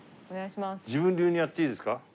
自分流にやっていいですか？